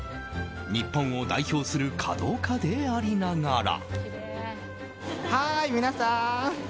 日本を代表する華道家でありながら。